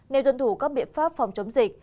nếu tuân thủ các biện pháp phòng chống dịch